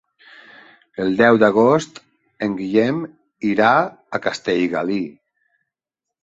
El deu d'agost en Guillem irà a Castellgalí.